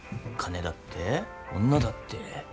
金だって女だって。